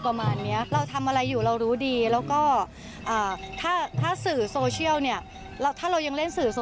ตอนเห็นลูกสึกยังยังไงบ้าง